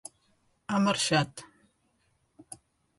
Ha marxat.